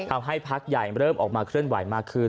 ทำให้พลักษณ์ใหญ่เริ่มออกมาเคลื่อนไหวมากขึ้น